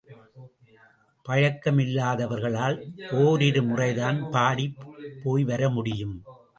பழக்கம் இல்லாதவர்களால் ஒரிரு முறைதான் பாடிப் போய் வர முடியும்.